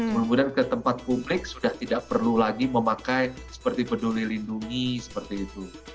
mudah mudahan ke tempat publik sudah tidak perlu lagi memakai seperti peduli lindungi seperti itu